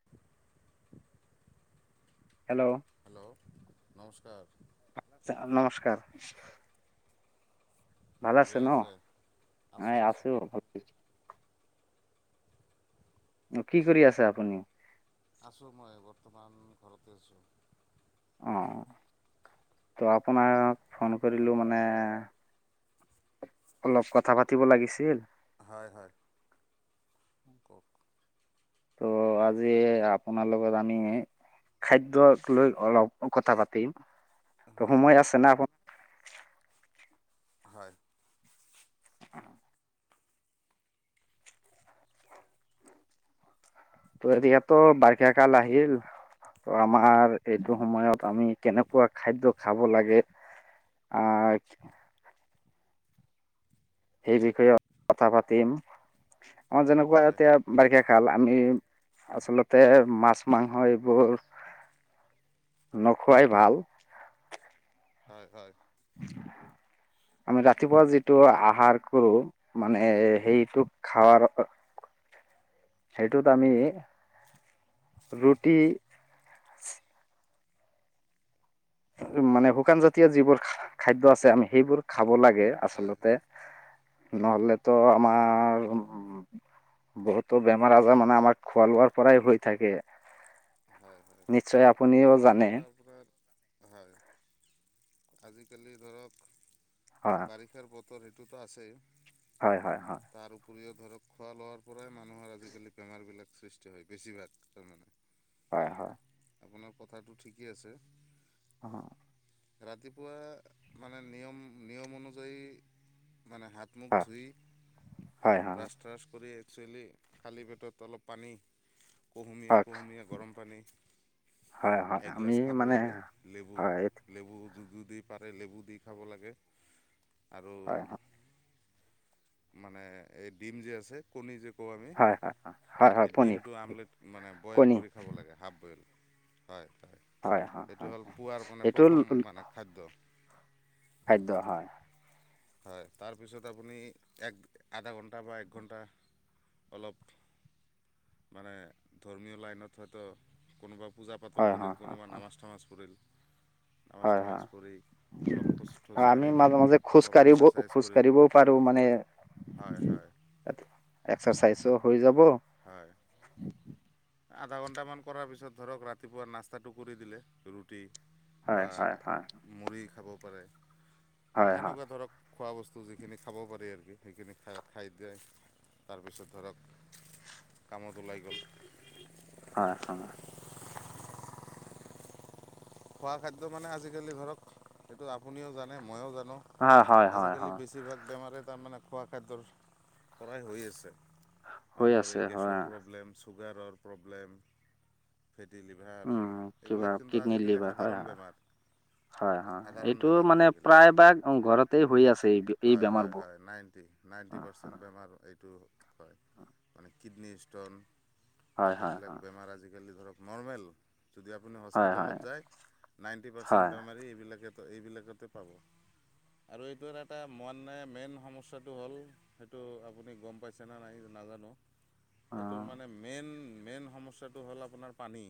[inaudible] Hello hello নমস্কাৰ। নমস্কাৰ। ভাল আছে ন আছোঁ নাই আছোঁ আছো। অ', কি কৰি আছে আপুনি? আছোঁ মই বৰ্তমান ঘৰতে আছোঁ। অঁ', তো আপোনাক ফোন কৰিলোঁ মানে অলপ কথা পাতিব লাগিছিল। হয়, হয়। কওক অ'আজি আপোনাৰ লগত আমি খাদ্যক লৈ অলপ কথা পাতিম ত' হয় সময় আছে নে আপোন হয়। [inaudible] ত' যিহেতু বাৰষা কাল আহিল ত' আমাৰ এইটো সময়ত আমি কেনেকুৱা খাদ্য খাব লাগে আছ সেই বিষয়ে কথা পাতিম আমাৰ যেনেকুৱা হয় এতিয়া বাৰিষা কাল আমি আচলতে মাছ, মাংস এইবোৰ নখোৱায় ভাল। হয়, হয়। আমি ৰাতিপুৱা যিটো আহাৰ কৰোঁ মানে সেইটো খাৱাৰ সেইটোত আমি ৰুটি মানে শুকান জাতীয় যিবোৰ খা-খাদ্য আছে আমি সেইবোৰ খাব লাগে হয় আচলতে হয় নহ'লেতো আমাৰ বহুতো বেমাৰ - আজাৰ মানে আমাৰ খোৱা লোৱাৰ পৰাই হৈ থাকে। হয়, হয় নিশ্চয় খোৱা আপুনিও লোৱাৰ জানে পৰা আপোনাৰ হয় আজিকালি ধৰক হয় বাৰিষ [unintelligible] বতৰ সেইটোতো আছে। হয়, হয়, হয়। পুৰীয়ে ধৰক খোৱা লোৱাৰ পৰাই মানুহৰ আজিকালি বেমাৰ বিলাক সৃষ্টি হয়, বেছিভাগ তাৰমানে। হয়, হয়। আপোনাৰ কথাটো ঠিকেই আছে। অ', ৰাতিপুৱা মানে নিয়ম, নিয়ম অনুযায়ী মানে হাত হাত-মুখ ধুই হয় হয় ব্ৰাছ-ট্ৰাছ কৰি একচুৱেলি খালী পেটত অলপ পানী কুহুমীয়া, হয় কুহুমীয়া গৰম পানী হয় হয় আমি এগিলাচ খাব মানে লাগে লেবু হয় লেবু যু- যুদিপাৰে লেবু দি খাব লাগে আৰু হয় হয় মানে এই ডিম যে আছে কণী যে কওঁ আমি হয় হয় হয় হয় এই কণী ডিমটো আমলেট মানে বইল কণী কৰি খাব লাগে হাফ বইল হয়, হয়। হয়, সেইটো হয়, হ'ল পুৱাৰ মানে সেইটো প্ৰথম ল- মানে খাদ্য। খাদ্য হয়। হয় তাৰপিছত আপুনি এক আধা ঘণ্টা বা এক ঘণ্টা অলপ মানে ধৰ্মীয় লাইনত হয়তো কোনোবা পূজা-পাতল হয়, হয়, কৰিল হয়, কোনোবা নামাজ-তামাজ পঢ়িল। নামাজ হয়, তামাজ হয়। পঢ়ি অলপ খোজ থোজ অ' আমি কাঢ়িল মাজে, মাজে খোজ অলপ কাঢ়িব, এক্সাৰচাইজ খোজ কৰিল কাঢ়িবও পাৰোঁ মানে হয় হয় এক্সাৰচাইজো হৈ যাব হয়। আধা ঘণ্টামান কৰাৰ পিছত ধৰক ৰাতিপুৱা নাস্তাটো কৰি দিলে ৰুট ৰুটি হয়, বা হয়, হয়, মুড়ি খাব পাৰে হয়, বা হয়, হয়, এনেকুৱা ধৰক খোৱা বস্তু যিখিনি খাব পাৰি আৰু কি সেইখিনি খাই খাই দিয়ে তাৰপিছত ধৰক কামত ওলাই গ'ল হয়, হয়। খোৱা খাদ্য মানে আজিকালি ধৰক সেইটো আপুনিও জানে মইয়ো জানোঁ। হয়, হয়, হয়, আজিকালি হয়, বেছিভাগ বেমাৰে তাৰমানে খোৱা খাদ্যৰ পৰাই হৈ আছে হৈ মানুহৰ আছে এই গেছৰ হয়। প্ৰব্লেমছ। চুগাৰৰ প্ৰব্লেম, ফেটি লিভাৰ উম, কিবা এইবিলাক কিন্তু কিডনী আজিকালি লিভাৰ হয়, সাধাৰণ হয়। বেমাৰ। হয়, হয় সাধাৰণ এইটো বেমাৰ মানে আজিকালি প্ৰায় ভাগ ঘৰতেই হৈ আছে এই হয় হয় বেমাৰবোৰৰ। হয় নাইণ্টি। নাইণ্টি পাৰ্চেণ্ট বেমাৰ এইটো হয়, হয় মানে কিডনী ষ্টন হয়, হয়, এইবিলাক বেমাৰ আজিকালি ধৰক নৰ্মেল। যদি আপুনি হয়, হয়, হস্পিটেলত যায় নাইণ্টি পাৰ্চেণ্ট হয়, বেমাৰী এইবিলাকো এইবিলাকতে পাব। আৰু এইটোৰ এটা মন মানে মেইন সমস্যাটো হ'ল সেইটো আপুনি গ'ম পাইছেনে নাই নাজানোঁ। এইটোৰ অ'। মানে মেইন মেইন সমস্যাটো হ'ল আপোনাৰ পানী।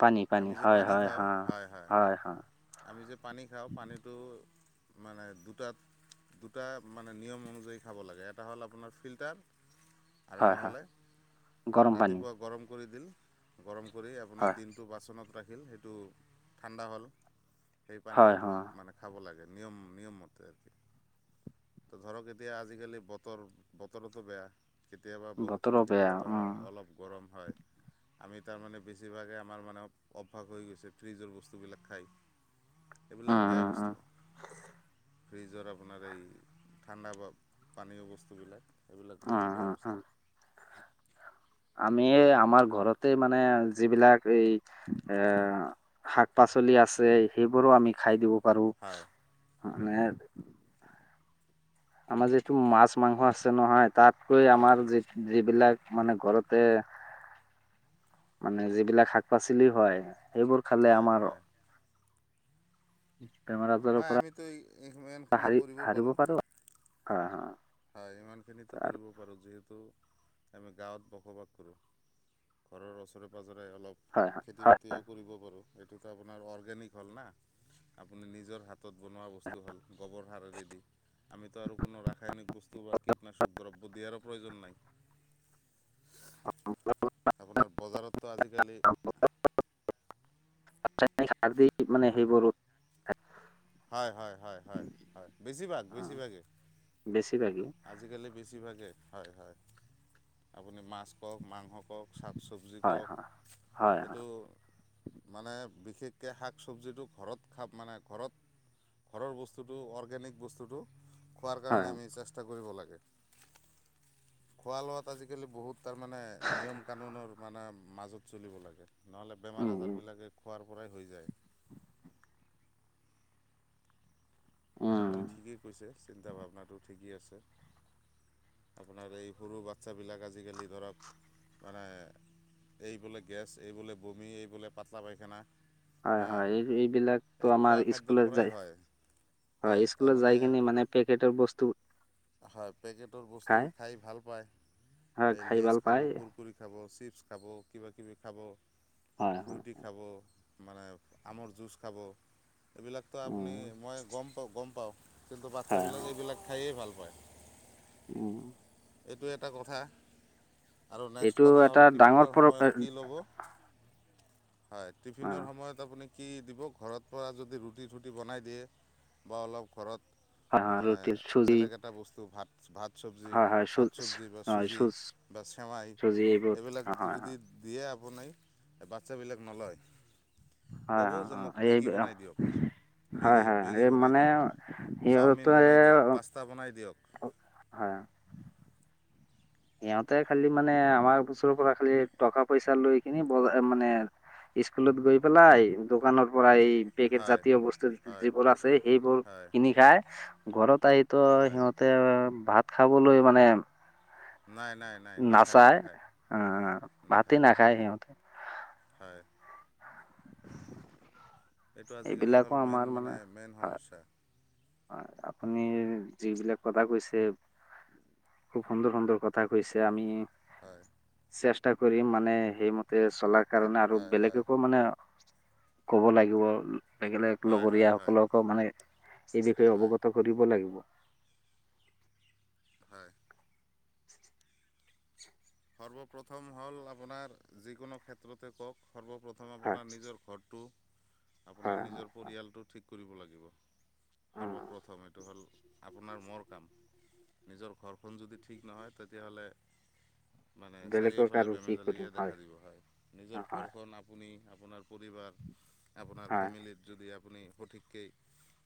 পানী আমি যে হয়, পানী হয়, খাওঁ হয়, হয়। আমি যে পানী খাওঁ পানীটো মানে দুটাত দুটা মানে নিয়ম অনুযায়ী খাব লাগে, এটা হ'ল আপোনাৰ ফিল্টাৰ আৰু হয়, হয়, নহ'লে গৰম পানী ৰাতিপুৱা গৰম কৰি দিল গৰম কৰি আপুনি হয়। দিনটো বাচনত ৰাখিল, সেইটো ঠাণ্ডা হ'ল। সেই হয় পানীটো হয় মানে খাব লাগে নিয়ম নিয়মমতে। তোৰ ধৰক এতিয়া আজিকালি বতৰ বতৰতো বেয়া। কেতিয়াবা বতৰো বৰষুণ, বেয়া কেতিয়াবা উম অলপ গৰম হয়। আমি তাৰমানে বেছিভাগে আমাৰ মানে অভ্যাস হৈ গৈছে ফ্ৰীজৰ বস্তুবিলাক খাই। উম এইবিলাক বেয়া উম উম বস্তু। ফ্ৰিজৰ আপোনাৰ এই ঠাণ্ডা বা পানীয় বস্তুবিলাক সেইবিলাক উম বহুত বেয়া উম উম বস্তু। আমি আমাৰ ঘৰতে মানে যিবিলাক এই এ, শাক পাচলি আছে সেইবোৰো আমি খাই দিব পাৰো। হয় মানে আমাৰ যিহেতটো মাছ মাংস আছে নহয় তাতকৈ হয় আমাৰ যি যিবিলাক মানে ঘৰতে মানে যিবিলাক শাক পাচলি হয় সেইবোৰ খালে হয় আমাৰ হয়। বেমাৰ আজাৰ হয় পৰা আমিতো এই ইমানখিনি কৰিব সাৰিব পাৰোঁ অহ অহ। হয় ইমান খিনিতো কৰিব পাৰ যিহেতু আমি গাঁৱত বসবাস কৰোঁ ঘৰৰ ওচৰে পাজৰে অলপ হয় হয়। খেতি হয় বাতিও কৰিব পাৰোঁ এইটোতো আপোনাৰ অৰ্গেনিক হ'ল না আপুনি নিজৰ হাত ঘৰত বনুৱা বস্তু ভাল গোবৰ সাৰেৰে দি আমিতো আৰু কোনো ৰাসায়নিক বস্তু বস্তু বা কীটনাশক দ্ৰব্য দিয়াৰো প্ৰয়োজন নাই। [inaudible] আপোনাৰ বজাৰততো আজিকালি ৰাসায়নিক সাৰ দি মানে সেইবোৰো হয় হয় হয় হয় হয়। বেছিভাগ বেছিভাগেই বেছিভাগেই আজিকালি বেছিভাগেই হয় হয় আপুনি মাছ কওক, মাংস কওক। শাক চব্জি হয় কওক হয় হয় হয় এইটো মানে বিশেষকে শাক চবজিটো ঘৰত খাম মানে ঘৰত ঘৰৰ বস্তুটো, অৰ্গেনিক বস্তুটো খোৱাৰ কাৰণে হয় আমি চেষ্টা কৰোঁ। চেষ্টা কৰিব লাগে। খোৱা লোৱাত আজিকালি বহুত তাৰ মানে নিয়ম কানুনৰ মানে মাজত চলিব লাগে। নহ'লে উম বেমাৰ আজাৰ উম বিলাকে খোৱাৰ পৰাই হৈ যায়। উম আপুনি ঠিকেই কৈছে, চিন্তা ভাৱনাটো ঠিকেই আছে। আপোনাৰ এই সৰু বাচ্ছাবিলাক আজিকালি ধৰক মানে এই বোলে গেছ, এই বোলে বমি, এই বোলে পাতলা পাইখানা। হয় হা হয় এইবিলাকতো এই আমাৰ খোৱা খাদ্যৰ স্কুলত যায় পৰাই হয়। হয় স্কুলত যাই কিনি মানে পেকেটৰ বস্তু হয় পেকেটৰ বস্তু খাই ভাল পায়। হয় এই খাই লেজ ভাল খাব পায় কুৰকুৰে কুৰকুৰে খাব, চিপছ্ খাব, কিবা কিবি খাব। হয় হয় ফ্ৰুৰট্ৰিত খাব মানে আমৰ জুচ খাব, এইবিলাকতো আপুনি উম মই গম পাওঁ। অ' গম পাওঁ কিন্তু হয় বাচ্ছাবিলাকে হয় এইবিলাক খায়েই ভাল পায়। উম' এইটো এটা কথা। আৰু নেক্সট এইটো কথা এটা হ'ল ডাঙৰ টিফিনৰ পৰ অ সময়ত কি ল'ব? হয়, টিফিনৰ সময়ত আপুনি কি দিব ঘৰ পৰা যদি ৰুটি চুটি বনাই দিয়ে, বা অলপ হয় ঘৰত হয় মানে ৰুটি চুজি বেলেগ এটা বস্তু ভাত ভাত চবজি হয় হয় চু ভাত চবজি বা হয় চুজি চুজ বা চেৱাই চুজি এইবোৰ এইবিলাক হয় হয় যদি দিয়ে আপুনি, বাচ্ছাবিলাক নলয়। হয় ক'ব হয় যে মোক হয় এই মেগী বনাই দিয়ক। হয় মেগী হয় মেগী এই বনাই মানে দিয়ক চাওমিন বনাই দিয়ক পাস্তা বনাই দিয়ক। অ, হয়। সিহঁতে খালি মানে আমাৰ ওচৰৰ পৰা খালি টকা পইচা লৈ কিিনি বজাৰত মানে স্কুলত গৈ পেলাই দোকানৰ পৰা এই পেকেট হয় জাতীয় বস্তু হয় যিবোৰ আছে সেইবোৰ হয় কিনি খাই। ঘৰত আহি তো হয় সিহত ভাত খাবলৈ মানে নাই-নাই। নাচায় অ', ভাতে নাখায় সিহঁতে। হয়। এইটো আজিকালি এইবিলাকো হ'ল মেইন আমাৰ মানে মেইন সমস্যা। হয়। আপুনি যিবিলাক কথা কৈছে খুব সুন্দৰ, সুন্দৰ কথা কৈছে আমি হয়। চেষ্টা কৰিম মানে সেইমতে চলাৰ কাৰণে আৰু হয় হয় বেলেগকো মানে কব লাগিব, লগিলে হয় হয় লগৰীয় হয় সকলকো মানে এই বিষয়ে হয় অৱগত কৰিব লাগিব। হয়। [unintelligible] সৰ্বপ্ৰথম হ'ল আপোনাৰ যিকোনো ক্ষেত্ৰতে কওক সৰ্বপ্ৰ প্ৰথম হয় আপোনাৰ নিজৰ ঘৰটো, আপোনাৰ হয় হয় নিজৰ পৰিয়ালটো ঠিক কৰিব লাগিব। অ সৰ্বপ্ৰথম এইটো হ'ল আপোনাৰ মোৰ কাম। নিজৰ ঘৰখন যদি ঠিক নহয় তেতিয়াহ'লে মানে বেলেগক চাৰিওফালে আৰু কি কৰিম বেমেজালিয়ে দেখা দিব হয়, নিজৰ হয় ঘৰখন আপুনি আপোনাৰ পৰিবাৰ, আপোনাৰ হয় ফেমিলিত যদি আপুনি সঠিক কেই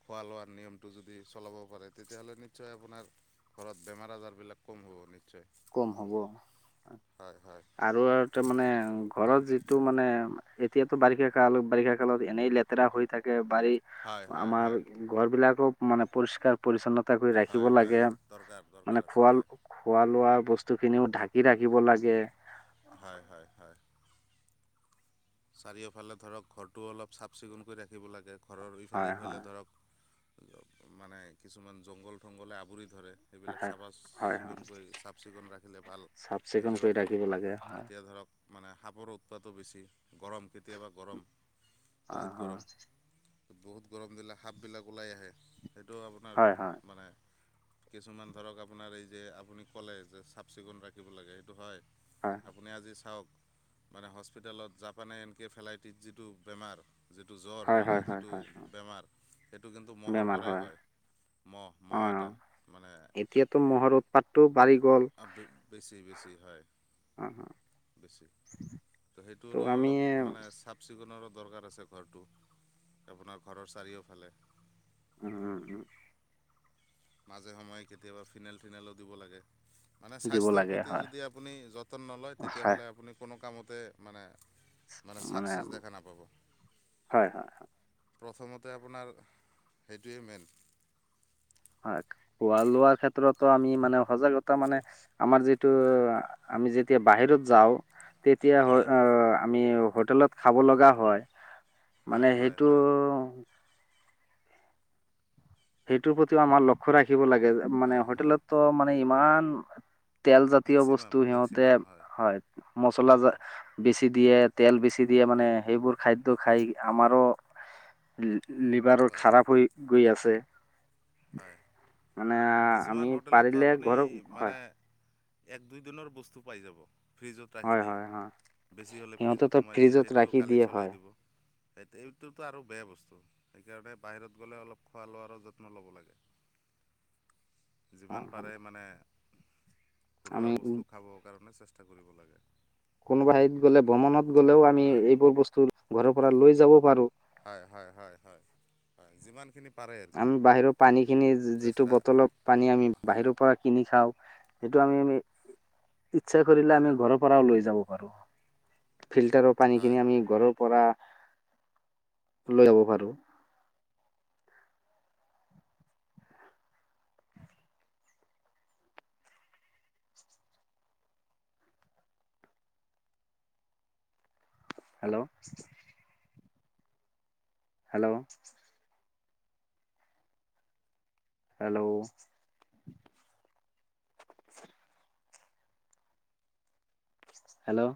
খোৱা লোৱাৰ নিয়মটো যদি চলাব পাৰে তেতিয়াহ'লে নিশ্চয় আপোনাৰ ঘৰত বেমাৰ, আজাৰবিলাক কম হ'ব নিশ্চয়। কম হ'ব। হয়, হয়। আৰু তাৰমানে ঘৰৰ যিটো মানে এতিয়াতো বাৰিষা কাল, বাৰিষা কালত এনেই লেতেৰাহৈ থাক ক বাৰী, হয় হয় আমাৰ হয় ঘৰবিলাকো মানে পৰিষ্কাৰ পৰিচ্ছন্নতা কৰি ৰাখিব হয় হয় লাগে। দৰকাৰ দৰকাৰ মানে আছে খোৱা হয় খোৱা লোৱাৰ বস্তুখিনিও ঢাকি ৰাখিব লাগে। হয় হয় হয়। চাৰিওফালে ধৰক ঘৰটোও অলপ চাফ চিকুণকৈ ৰাখিব লাগে ঘৰৰ ইফালে, হয় সিফালে হয় ধৰক মানে কিছুমান জংঘল থংঘলে আৱৰি ধৰে। সেইবিলাক হয় চাফা হয় হয় চিকুণকৈ, চাফ চিকুণকৈ ৰাখিলে ভাল, চাফ চিকুণ নিজৰো কৰি ভাল। ৰাখিব লাগে হয় এতিয়া ধৰক মানে সাপৰ উৎপাতো বেছি, গৰম। কেতিয়াবা গৰম, হয় বহুত হয় গৰম। বহুত গৰম দিলে সাপবিলাক ওলাই আহে সেইটো আপোনাৰ হয় হয় মানে কিছুমান ধৰক আপোনাৰ এই যে আপুনি ক'লে যে চাফ চিকুণ ৰাখিব লাগে সেইটো হয়। হয় আপুনি আজি চাওক মানে হস্পিতেলত যাপ মানে এনকৈ ফেলাইটিছ যিটো বেমাৰ যিটো জ্বৰ হয় মানে হয় হয় যিটো হয় বেমাৰ সেইটো কিন্তু মহৰ পৰাই হয়। মহ, অ মহ অ এটা মানে এতিয়াতো মহৰ উৎপাতটো বাঢ়ি গ'ল [unintelligible] বেছি বেছি হয় অ বেছি। তো ত' সেইটোৰ আমি অলপ মানে চাফ চিকোনৰো দৰকাৰ আছে ঘৰটো আপোনাৰ ঘৰৰ চাৰিওফালে। উম উম উম। মাজে সময়ে কেতিয়াবা ফিনেল থিনেলো দিব লাগে। মানে দিব স্বাস্থ্যৰ লাগে প্ৰতি হয় যদি আপুনি যতন নলয় হয় তেতিয়াহ'লে আপুনি কোনো কামতে মানে, মানে চাকচেছ দেখা নাপাব। হয় হয় প্ৰথমতে আপোনাৰ সেইটোৱেই মেইন। হয় খোৱা লোৱাৰ ক্ষেত্ৰতো আমি মানে সজাগতা মানে আমাৰ যিটো আমি যেতিয়া বাহিৰত যাওঁ তেতিয়া হ হয় আ আমি হোটেলত খাব লগা হয়। মানে হয় হয় সেইটো হয় সেইটোৰ প্ৰতিও আমাৰ লক্ষ্য ৰাখিব লাগে মানে হয় হয় হোটেলতো মানে ইমান তেলজাতীয় মেক্সিমাম বস্তু সিহঁতে মেক্সিমাম হয় মচলা জা হয় বেছি দিয়ে তেল বেছি দিয়ে মানে হয় সেইবোৰ খাদ্য খাই আমাৰো লি-লিভাৰো হয় খাৰাপ হৈ গৈ আছে। হয়। মানে আমি কিছুমান হোটেলতো পাৰিলে আপুনি ঘৰত মানে হয় এক দুইদিনৰ বস্তু পাই যাব। ফ্ৰিজত ৰাখি হয় দিয়ে, হয় হয় বেছি হ'লে সিহঁতেতো ফ্ৰিজত সোমাই দিয়ে সেইটো ৰাখি কালি দিয়ে চলাই হয় দিব। সেইটো সেইটোতো আৰু বেয়া বস্তু সেইকাৰণে বাহিৰত গ'লে অলপ খোৱা লোৱাৰো যত্ন ল'ব লাগে। যিমান হয় হয় পাৰে মানে আমি ঘৰুৱা বস্তু খাবৰ কাৰণে চেষ্টা কৰিব লাগে। কোনোবা হেৰিত গলে ভ্ৰমণত গ'লেও আমি হয়। এইবোৰ বস্তু ঘৰৰ পৰা লৈ যাব পাৰো। হয়, হয়, হয়, হয়, হয় যিমানখিনি পাৰে আৰু কি আমি বাহিৰৰ পানীখিনি যিটো চেষ্টা বটলত পানী আমি হয় বাহিৰৰ পৰা কিনি খাওঁ সেইটো আমি আমি ইচ্ছা কৰিলে আমি ঘৰৰ পৰাও লৈ যাব পাৰো। ফিল্টাৰৰ হয়। পানীখিনি আমি ঘৰৰ পৰা লৈ যাব পাৰো। হেল্ল'। হেল্ল'। হেল্ল'। হেল্ল'।